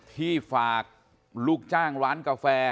ที่ฝากลูกจ้างร้านกาแฟ